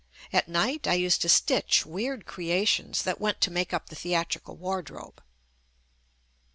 At night I used to stitch weird creations that went to make up a the atrical wardrobe.